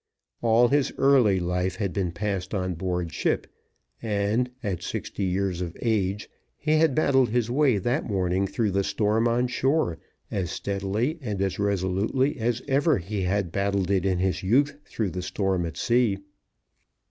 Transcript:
All his early life had been passed on board ship, and, at sixty years of age, he had battled his way that morning through the storm on shore as steadily and as resolutely as ever he had battled it in his youth through the storm at sea.